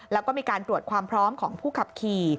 แล้วก็มีการตรวจความพร้อมของผู้ขับขี่